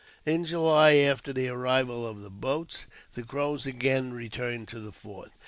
In July, after the arrival of the boats, the Crows again re turned to the fort.